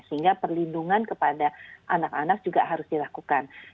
sehingga perlindungan kepada anak anak juga harus dilakukan